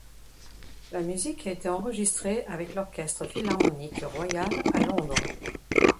La musique a été enregistrée avec l'Orchestre philharmonique royal à Londres.